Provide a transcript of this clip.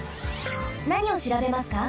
なにをしらべますか？